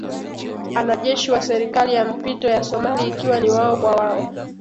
anajeshi wa serikali ya mpito ya somali ikiwa ni wao kwa wao